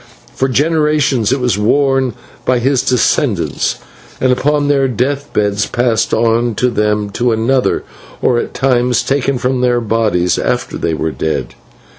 For generations it was worn by his descendants, and upon their death beds passed on by them to another, or at times taken from their bodies after they were dead.